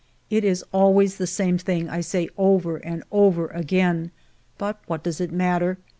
It is always the same thing I say over and over again, but what does it matter